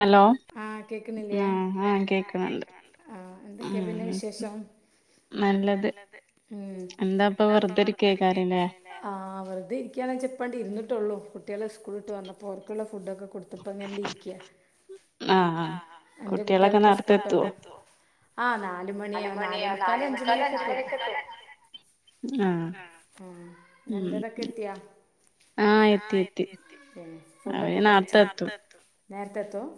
Hello ആ ആഹ കേക്കുന്നുണ്ട്. എന്തൊക്കെ പിന്നെ വിശേഷം നല്ലത് എന്താ ഇപ്പൊ വെറുതെ ഇരിക്കകാരം ല്ലേ ആ വെറുതെ ഇരിക്ക ഞാൻചെ പ്പാണ്ടി ഇരിന്ന്ട്ടേള്ളൂ കുട്ട്യേള് സ്കൂള് വിട്ട് വന്നപ്പോ ഓർക്കുള്ള ഫുഡൊക്കെ കൊടുത്ത് ഇപ്പൊ ഇങ്ങനെ ഇരിക്ക ആ ആ കുട്ട്യാളൊക്കെ നേർത്തെ എത്തോ നാലുമണിയാ നാലേ മുക്കാൽ അഞ്ചുമണിക്ക് എത്തും എന്റെതൊക്കെ എത്തിയാ ആ എത്തിയെത്തിെ ഫുഡൊക്കെ കഴിച്ചോ നേരത്തെ എത്തും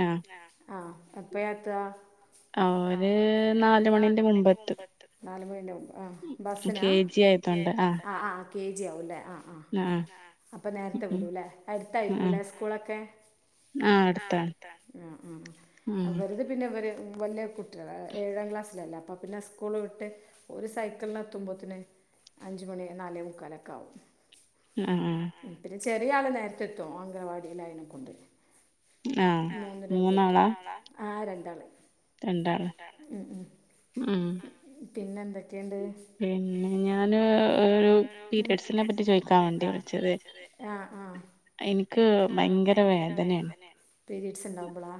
ആ ആ എപ്പഴാ എത്താ ആ അവര് നാലുമണിക്ക് മുമ്പെത്തുംനാലുമണിന്റെ മുമ്പോ ബസ്സിനാ ആ ആ കെ ജി ആവുംല്ലേ ആ ആ അപ്പൊ നേർത്തെ വിടും ല്ലേ അടുത്തായിരിക്കൂംല്ലേ സ്കൂളൊക്കെ മ്ം മ്ം ഇവരുതെ പിന്നെ ഇവര് വല്ല്യ കുട്ട്യാളാ ഏ ഏഴാം ക്ലാസ്സിലല്ലേ അപ്പൊ പിന്നെ സ്കൂള് വിട്ട് ഓര് സൈക്കിൾ ന് എത്തുമ്പോത്തിന് അഞ്ചുമണി നാലേമുക്കാലൊക്കെ ആവും ഉം ഉം ചെറിയാള് നേരത്തെ എത്തും അംഗനവാടിയിലായനക്കൊണ്ട് ആ മൂന്നാളാ ആ രണ്ടാള് രണ്ടാളാ ഉം പിന്നെ എന്തൊക്കെയുണ്ട് ഞാന് ഒരു പിരിഡ്സിനെപറ്റി ചോയിക്കാൻ വേണ്ടി വിളിച്ചതേനു എനിക്ക് ഭയങ്കര വേദനയാണ് പീരയഡ്സ് ഉണ്ടാവുമ്പോളോ.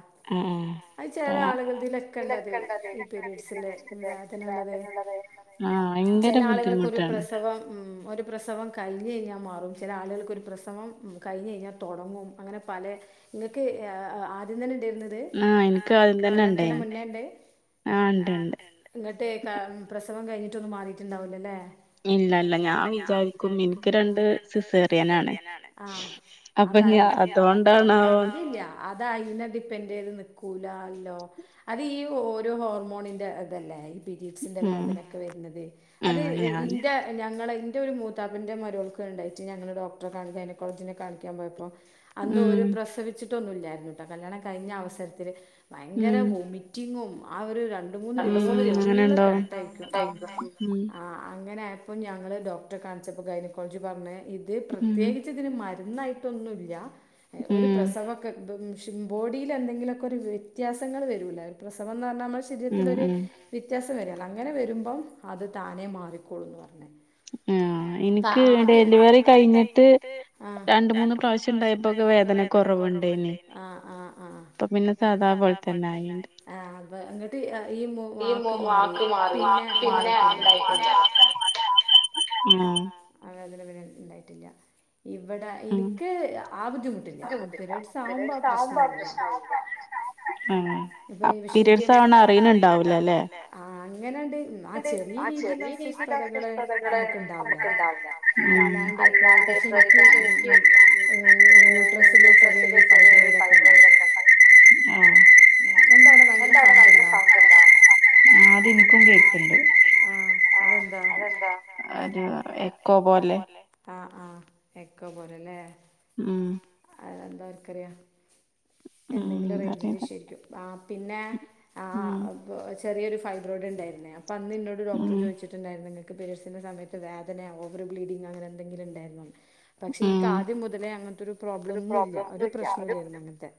അത് ചെല ആള്കൾതിലൊക്കേണ്ടത് ഈ പീരീഡ്സിന്റെ എന്താതിനുള്ളത് ആ ഭയങ്കര ബുദ്ധിമുട്ട് പ്രസവം ഉം ഒരു പ്രസവം കഴി ഞ്ഞേഞ്ഞ മാറും ചെല ആളുകൾക്ക് ഒരു പ്രസംഗം മ്ം കഴിഞ്ഞേഞ്ഞ തൊടങ്ങും അങ്ങനെ പലേ ഇങ്ങക്ക് ഏ ഏ ആ ആദ്യം തന്നെ ഇണ്ടേരുന്നു ഇത് കല്യാണത്തിനു മുന്നേണ്ട് ന്നിട്ട് ക പ്രസവം കഴിഞ്ഞിട്ടൊന്നും മാറിയിട്ടുണ്ടാവൂലല്ലേ ഇല്ല ഇല്ല ഞാൻ വിചാരിക്കും എനിക്ക് രണ്ട് സിസേറിയനാണ് ഇല്ല ഇല്ല അത് അയിനെ ഡിപ്പെൻഡെയ്ത് നിക്കൂ ലാല്ലോ അത് ഈ ഓരോ ഹോർമോണിന്റെ ഇതല്ലേ പിരിഡ്സിന്റെ വേദനൊക്കെ വരുന്നത് അത് ഈ ഞങ്ങളെ ന്റെ ഒരു മൂത്താപ്പന്റെ ഞങ്ങളെ ഇന്റെ മൂത്തപ്പന്റെ മരോൾക്ക് ണ്ടായിട്ട് ഞങ്ങള് ഡോക്ടറെ കാണി ഗൈനക്കോളജിനെ കാണിക്കാൻപോയപ്പോ പോയപ്പോ. അന്ന് ഓര് പ്രസവിച്ചിട്ടൊന്നുല്ല്യാരുന്നുട്ടോ കല്യാണം കയിഞ്ഞ അവസരത്തില് ഭയങ്കര വൊമിറ്റിങ്ങും ആ ഒരു ര രണ്ടു മൂന്ന് ദിവസം ഫുള്ള് കെടത്തേക്കും ആ ഇങ്ങനെ ആയപ്പോം ഞങ്ങള് ഡോക്ടറെ കാണിച്ചപ്പോ ഗൈന കോളജി പറഞ്ഞ് ഇത് പ്രത്യേകിച്ച് ഇതിന് മരു ന്നായിട്ടൊന്നും ഇല്ല ഒരു പ്രസവൊക്കെ [unintelligible] ബോഡിയിലെ ന്തെങ്കിലൊക്കെ ഒരു വെത്യാസങ്ങള് വരൂലെ പ്രസവം ന്ന് പറഞ്ഞാ മ്മളെ ശെരീരത്തിലൊര് വിത്യാസം വരോലാ അങ്ങനെ വരുമ്പം അത് താനെ മാ റിക്കോളുംന്ന് പറഞ്ഞ് ആ ഡെലിവറി കയിഞ്ഞിട്ട് ആ രണ്ടു മൂന്നു പ്രാവശ്യണ്ടായപ്പോക്കെ വേദന കൊറവ്ണ്ടെനു ഇപ്പൊ പിന്നെ സാധാ പോൽതന്നെ ആയി പ്പ എന്നിട്ട് ഈ മൊ വാക്ക് മാറി പിന്നെ ഇണ്ടായിട്ടു വേദന ഉണ്ടായിട്ടില്ല ഇവിടെ എനിക്ക് ആ ബുദ്ധിമുട്ടില്ല പിരിഡ്സ് ആവുമ്പോ ആ പ്രശ്നംല്ല പിരിയ്ഡ്സ് ആവണ അറിയണ് ഇണ്ടാവൂലല്ലേ ആ ചെറിയ രീതിൽ അസ്വസ്ഥതകള് നമ്ക്ക് ഉണ്ടാവൂലേ അല്ലാണ്ട് ഇപ്പ ഇപ്പ [unintelligible] യൂട്രസില് ചെറിയ ഫൈബ്രോയിഡക്കെണ്ടായി ഉ എന്താ അവിടെ ഭയങ്കര സൗണ്ട് ഇണ്ടാ ആ അതിനിക്കും കേ ആ അതെന്താ ആ ആ എക്കോ പോലെല്ലേ ഉം അതന്താർക്കറിയാം എന്തെങ്കിലും റേഞ്ചിന് ഇഷ്യൂ ആരിക്കും ആ പിന്നെ ചെറിയൊരു ഫൈബ്രോയിടുണ്ടായിരുന്നെ അപ്പോ അന്ന് ന്നോട് ഡോക്ടർ ചോയ്ച്ചിട്ടുണ്ടായിരുന്നു ങ്ങൾക്ക് പീരിയഡ്‌സിന്റെ സമയത്ത് വേദനയാകോ ബ്ലീഡിങ്ങാങ്ങനെ എന്തെങ്കില ഉണ്ടായിരുന്നോ പക്ഷെ എനിക്ക് ആദ്യം മുതലേ അങ്ങനത്തെ ഒരു പ്രോബ്ലം ഒന്നുല്ല ഒരു പ്രശ്നല്ലായിരുന്നു അങ്ങനത്തെ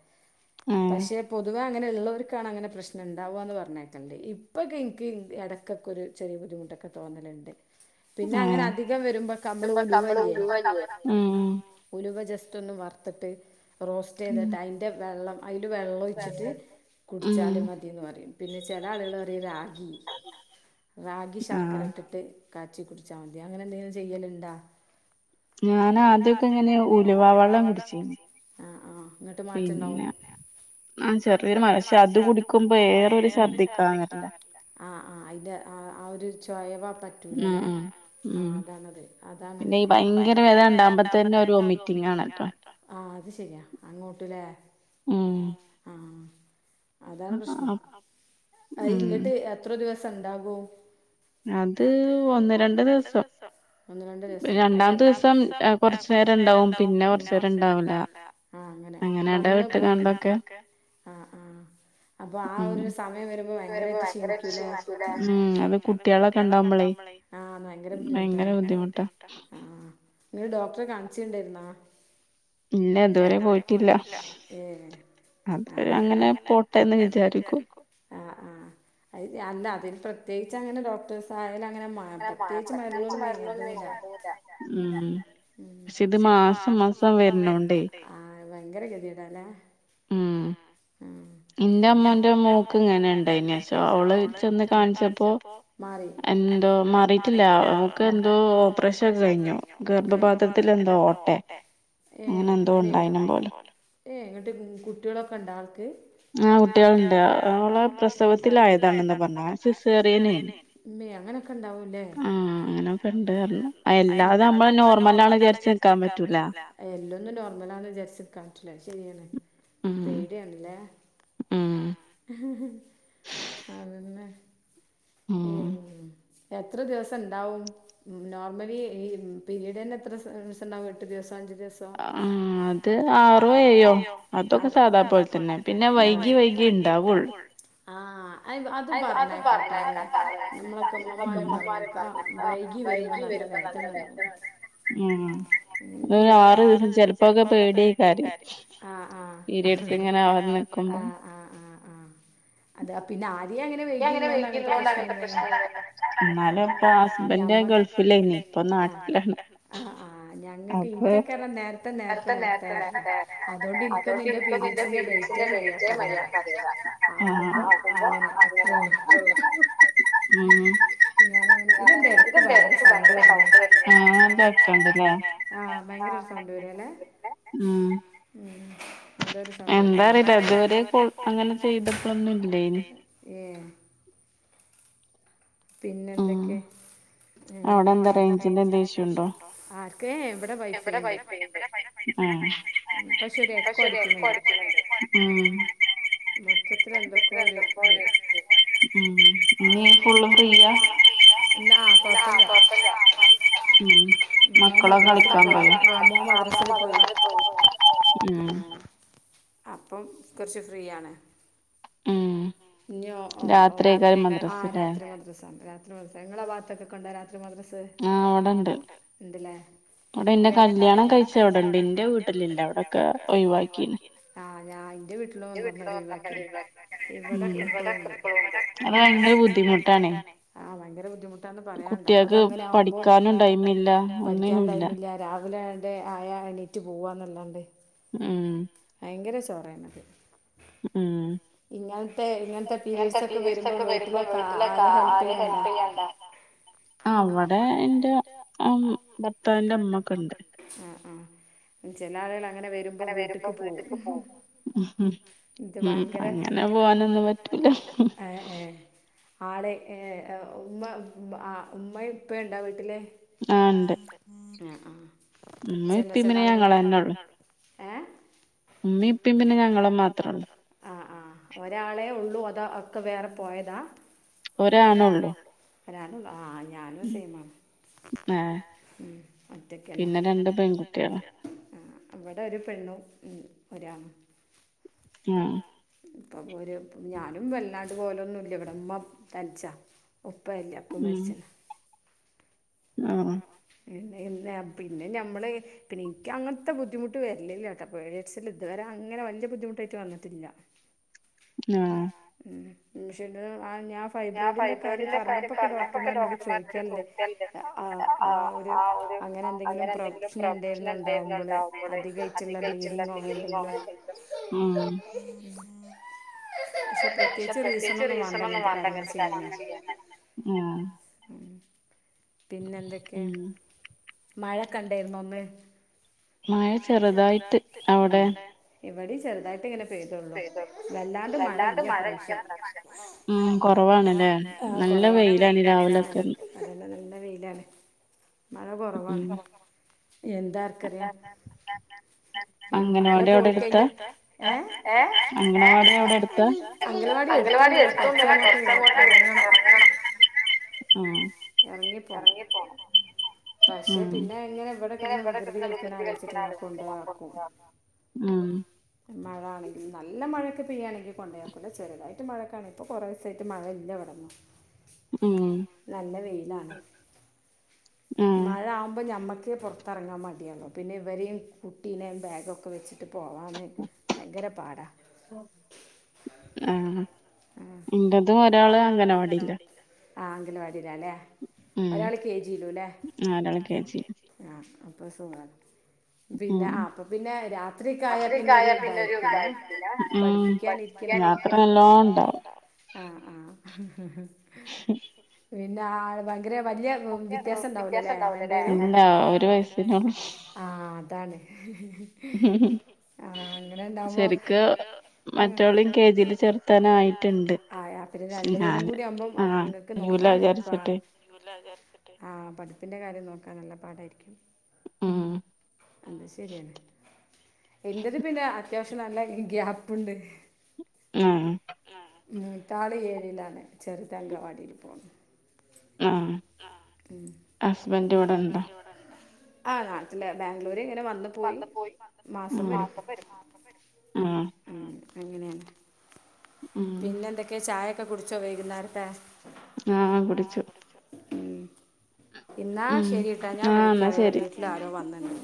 പക്ഷെ പൊതുവെ അങ്ങനെ ഉള്ളോര്ക്ക ക്കാണ് അങ്ങനെ പ്രശ്നംണ്ടാവാന്ന് പറഞ്ഞെട്ടുണ്ട് ഇപ്പോക്കന്ക്ക് എടയ്ക്കെക്കൊര് ചെറിയ ബുദ്ധിമുട്ടൊക്കെ തോന്നലുണ്ട് പിന്നെ [unintelligible] അധികം വരുമ്പോക്ക് അമ്മളുലുവാല്ലേ ഉലുവ ജസ്റ്റ് ഒന്ന് വറത്തിട്ട് റോസ്റ്റ് ചെയ്തിട്ട് അതിന്റ വെള്ളം അതില് വെള്ളം ഒയിച്ചിട്ട് കുടിച്ചാല് മതീന്ന് പറയും പിന്നെ ചെലാളുകളറയും റാഗി റാഗി ശർക്കരട്ടിട്ട് കാച്ചി കുടിച്ചാ മതി അങ്ങനെ എന്തെലും ചെയ്യലുണ്ടോ ഞാനാദ്യക്കെ ഇങ്ങനെ ഉലുവാ വെള്ളം കുടിച്ചി ന്ന്ട്ട് മാറ്റണ്ടാവും ആ ചെറിയൊരു മന ശ്ശത് കുടിക്കുമ്പോ ഏറൊരു ഛർദ്ദിക്കാ വരലാ ആ ആ ഒരു ചൊയവ പറ്റൂലല്ലേ ആ അതാണതെ അതാണ് ഭയങ്കര വേദന ഉണ്ടാവമ്പത്ത തന്നെ വൊമിടിങ്ങാണ് ട്ടോ ആ അത് ശരിയാ അങ്ങോട്ട്ല്ലേ ആ അതാണ് പ്രശ്നം ഇങ്ങിട്ട് എത്ര ദിവസം ഉണ്ടാകോ അത് ഒന്ന് രണ്ട് ഈസം ണ്ട്സം ഒന്ന് രണ്ട്സം രണ്ടാത്തസം കൊറച്ചു നേരണ്ടാവും പിന്നെ കൊറച് നേരംണ്ടാവും ആ അങ്ങനെ വന്നു പോയി ആ ആ അപ്പൊ ആ ഒരു സമയൊര് ഉ അത് കുട്ടികളൊക്കെണ്ടാവുമ്പോളേ ഭയങ്കര ബുദ്ധിമുട്ട നി ഡോക്ടറെ കാണിച്ചണ്ടായിരുന്നാ ഇല്ലതുവരെ പോയിട്ടില്ല ആ അങ്ങനെ പോട്ടെന്ന് വിചാരിക്കും ആ ആ അല്ല അതിൽ പ്രത്യേകിച്ചു അങ്ങനെ ഡോക്ടേഴ്സായാലും അങ്ങന മാറ്റെ പ്രത്യേകിച്ച് മരുന്നൊന്നും ഇറില്ല ഉ പക്ഷെ ഇത് മാസം മാസം വരണോണ്ട് ആ ഭയങ്കര ഗതിടല്ലേ ആഹ എന്റെ അമ്മോന്റെ മോക്ക് ഇങ്ങനെ ഉണ്ടായിനശോ അവള് ചെന്ന് കാണിച്ചപ്പോ എ എന്തോ മാറിയിട്ടില്ല നമുക്ക് എന്തോ ഓപ്പറേഷൻൊക്കെ കഴിഞ്ഞു ഗർഭപാത്രത്തില് എന്തോ ഓട്ടെ അങ്ങനെ എന്തോ ഉണ്ടായിനും പോലെ ഏയ്്ങ്ങട്ട് കുട്ടികളൊക്കെ ഉണ്ട് ആൾക്ക് ആ് കുട്ടികളുണ്ട് അവ അവളെ പ്രസവത്തിലായതാണെന്നാ പറഞ്ഞാ സിസേറിയനേന് യ് അങ്ങനെയൊക്കെ ഉണ്ടാവൂല്ലേ ആഹ അങ്ങനെൊക്കെ ഇണ്ട് ക എല്ലാതും നമ്മള് നോർമലാണ് വിചരിച്ച നക്കാൻ പറ്റൂല ഒന്നും നോർമല ആാണ് വിചാരിച്ചു നിക്കാൻ പറ്റൂല ശരിയാണ് പേടിയാണ് ല്ലേ അതന്നെ ഉം എത്ര ദിവസം ഉണ്ടാവും നോർമലി ഈ പീരീഡ് തന്നെ എത്ര ദിവസം ണ്ടാവും എട്ടു ദിവസം. അത് ആറോഏേഴോഅതൊക്കെ സാധാ പോലെ തന്നെ പിന്നെ. പിന്നെ വൈകി ഉണ്ടാവുള്ളൂ അതു പറയുന്നത് കേൾക്കാം നമ്മളൊക്കെ അമ്മമാര് പറഞ്ഞേക്കാ വൈകി വരുമ്പോ നല്ല വേദന ഉണ്ടാവോ. ആ ആറു ദിവസം ചെിലപ്പോൊക്കെ പേടിയ കാര്യം. ആ ആ ആ ആ അത പിന്നെ ആ. വൈകണ്ട എന്നാലും ഇപ്പൊ ഹസ്ബന് ഗൾഫിലായിനി ഇപ്പൊ നാട്ടിലാണ് ആ് ആ് ഞങ്ങൾക്ക് ഇനകൊക്കെറ നേരത്തെ. നേ നേരത്തെ നേരത്തെ ആയിന്ന് അതുകൊണ്ട് എനിക്ക നിന്റെ പീരയഡ്സിന്റെ ഡേറ്റ മതിയാക്ക അറയില്ല. ആകുമ്പോൾ അങ്ങനെ.. ഉം ാനങ്ങനെ ഇതെന്താ ഇടക്ക് ഭയങ്കര സൗണ്ട് വരുന്ന ആ ഭയങ്കര സൗ.. [inaudible] രല്ലേ ഉ [inaudible] എന്താ ഒരു സൗണ്ട് കേട്ട് ഇതുവരെ കുഴപ്പമൊന്നും ഉണ്ടായിരുന്നില്ല. ഉ പിന്നെ എന്തൊക്കെ എടെ വൈടെ അസ കൊച്ച [unintelligible] മൊത്തത്തി എന്തൊക്കോ ഒരു പിന്നെ എപ്പോഴും പ്രിയ. [unintelligible] ഉം മക്കളൊ.. മ പോ ഉ [unintelligible] അപ്പം കുറച്ച് ഫ്രീ ആാണ്. രാത്രിക്കാരൻ മദ്ര. ആ രാത്രി മദ്രസ നിങ്ങളുടെ ഭാഗത്ത് കണ്ടോ രാത്രി. മദ്രസ ഉണ്ടല്ലേ എന്റെ കല്യാണം കഴിച്ച അവിടെണ്ട് എന്റെ വീട്ടിലില്ല അവിടൊക്കെ ഒഴിവാക്കിന്. എന്റെ വീട്ടില് വന്നൊക്കെ... ഭയങ്കര ബുദ്ധിമുട്ടാണ. പഠിക്കാൻ ടൈമില്ല രാവിലെ ആയാ എണീറ്റ് പോവാന്നല്ലാണ്ട്. ഉം ഭയങ്കര ചോറണത് ഉം അങ്ങനത്തെ പീരയഡ്സ് ഒക്കെ വരുമ്പോ വീട്ടിലൊക്കെ ആര ഹെല്പ് ചെയ്യാണ്ടാ. അവിടെ എന്റെ ഭർത്താവിന്റെമ്മ ഒക്കെ ഉണ്ട്. ചെല ആളുകൾ അങ്ങനെ വരുമ്പോ വീട്ടക്ക് പോവും. ഉ ഉം അങ്ങനെ പോവാനൊന്നും പറ്റൂല്ല. ആളെ ഉമ്മ ഉമ്മ ഇപ്പ ഉണ്ടോ വീട്ടിൽ. ആ ആ ചെന്ന ചെന്ന ആളങ്ങന. ഉമ്മ ഉപ്പ പിന്നെ ഞങ്ങളും മാത്രം അക്ക വേർ പോയതാ. ഒരാണോളളു ആഏ പിന്നെ രണ്ട് പെൺകുട്ടികളാ. അവിടെ ഒരു പെണ്ണും ഒരാണും. ഉം അപ്പ ഒരു ഞാനും വല്ലാൻണ്ട് പോലൊന്നുല്ല ഇവിടെമ്മ തനിച്ചാ.. ഉപ്പ ഇല്ല ഉപ്പ മരിച്ച്ണ്. ആ പിന്നെ പിന്നെ ഞമ്മൾ പിന്നെ എനിക്ക് അങ്ങനത്തെ ബുദ്ധിമുട്ട് വരില്ലില്ല പീരീയ്ഡ്‌സിൽ ഇതുവരെ അങ്ങനെ വല്ല്യ ബുദ്ധിമുട്ടായിട്ട് വന്നിട്ടില്ല. ആ [unintelligible] ആ ഞാൻ ഫൈബ്രോയിഡിൻ്റെ കാര്യം പറഞ്ഞപ്പോക്കെ ഡോക്ടർമാരനോട് ചോദിക്കല്ണ്ട് ആ ആ അങ്ങനെ എന്തെങ്കിലും പ്രശ്നങ്ങൾ എന്തെങ്കിലും ഉണ്ടാകുമ്പള് അധികായിട്ടിള്ള ബ്ലീഡിങ്ങോ അങ്ങനെ എന്തെങ്കിലും പക്ഷെ പ്രത്യേകിച്ച് റീസൺ ഒന്നും വാണ്ട ഇങ്ങനത്തെ കാര്യങ്ങൾ ചെയ്യാന്. ആ പിന്നെന്തൊക്കെയാ മഴ ക്കെഇ ണ്ടായിരുന്നോ ഇന്ന്. മഴ ചെറുതായിട്ട് അവിടെ. ഇവിടെയും ചെറുതായിട്ട് ഇങ്ങനെ പെയ്തള്ളൂ വല്ലാണ്ട് മഴ ഇല്ല ഇപ്രാവശ്യം. ഉം കുറവാണല്ലേ നല്ല വെയിലാണ് രാവിലൊക്കെ. നല്ല വെയിലാണ് മഴ കൊറവാണ് എന്താർക്കറിയ. അംഗനവാടി അവിടെ അടുത്ത അംഗനവാടി അവിടെ അടുത്ത. അംഗൽവാടി എടുത്തൊന്നല്ല കൊറച്ചങ്ങോട്ട് പോകണം. എറങ്ങി പോണം. പക്ഷെ പിന്നെ എങ്ങനെ ഇവിടെക്കെടന്ന് വികൃതി കളിക്കണ ആലോചിച്ചിട്ട് ഞാൻ കൊണ്ടോയാക്കും. മഴ ആണെങ്കിലും നല്ല മഴൊക്കെ പെയ്യയാണെങ്കിൽ കൊണ്ടായാക്കൂല ചെറുതായിട്ട് മഴക്കാണ് ഇപ്പോ കൊറേ ദിവസായിട്ട് മഴ ഇല്ല ഇവിടെ നല്ല വെയിലാണ് മഴ ആവുമ്പോ നമ്മൾക്ക് പുറത്തിറങ്ങാൻ മടിയാണല്ലോ പിന്നെ ഇവരെയും കുട്ടീനെയയും ബാഗൊക്കെ വെച്ചി ട്ട് പോവാന്ന് ഭയങ്കര പാടാ. ആ ഇന്റെതും ഒരാള് അംഗനവാടിയിലാ. ആ അംഗനവാടിയിലാല്ലേ ഒരാൾ കെ ജി യി ലൂലേ. ആഒരാള് കെ ജി യില്. അപ്പൊ സുഖാണ്. പിന്നെ ആ അപ്പൊ പിന്നെ രാത്രിക്കെ ആയാൽ പിന്നെ ഒരു ഇതായിരിക്കുല്ലേ പഠിപ്പിക്കാൻ ഇ ആഹ് ആഹ് പിന്നെ ആ ഭയങ്കര വല്ല്യ വിത്യാ സണ്ടാവൂലലെ രണ്ട് പേരും. ആ അതാണ്. ആ അങ്ങനെ ഇണ്ടാവുബം രണ്ടു പേരും കൂടി ആവുമ്പം ങ്ങക്ക് നോ ആഹ് പഠിപ്പിന്റെ കാര്യം നോക്കാ നല്ല പാടായിരിക്കും. അത് ശരിയാണ് എന്റത് പിന്നെ അത്യാവശ്യം നല്ല ഗ്യാപ്പുണ്ട്. ആ മൂത്ത ആള് ഏഴിലാണ് ചെറുത് അംഗൻവാടിയിൽ പോണു. ഹസ്ബൻഡ് ഇവിടെ ഉണ്ടോ? ആ നാട്ടിലാ ബാംഗ്ലൂര്. ഇങ്ങനെ വന്ന് പോയി മാസം വരും. അങ്ങനെയാണ്. പിന്നെ എന്തൊക്കെയാ ചായയൊക്കെ കുടിച്ചോ വൈകുന്നേരത്തെ. ആഹ് കുടിച്ചു. ഉം ഇന്നാ ശരിട്ടോ ഞാൻ വിളിക്കാവെ വീട്ടിൽ ആരോ വന്നിണ്ട്.